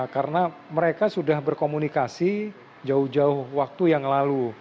karena mereka sudah berkomunikasi jauh jauh waktu yang lalu